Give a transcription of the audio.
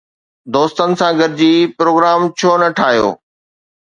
دوستن سان گڏجي پروگرام ڇو نه ٺاهيو؟